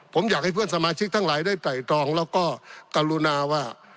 ผมอยากให้เพื่อนสมาชิกทั้งหลายได้ไตรตรองแล้วก็กรุณาว่า